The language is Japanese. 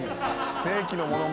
正規のモノマネ